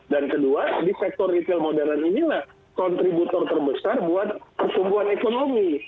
dan kedua di sektor retail modern inilah kontributor terbesar buat kesumbuhan ekonomi